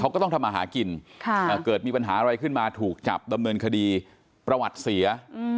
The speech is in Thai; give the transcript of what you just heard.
เขาก็ต้องทำอาหารกินเกิดมีปัญหาอะไรขึ้นมาถูกจับดำเนินคดีประวัติเสีย